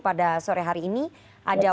pada sore hari ini ada